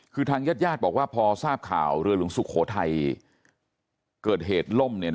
คือทางญาติญาติบอกว่าพอทราบข่าวเรือหลวงสุโขทัยเกิดเหตุล่ม